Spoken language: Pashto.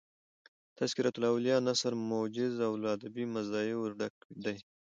"تذکرةالاولیاء" نثر موجز او له ادبي مزایاو ډک دﺉ.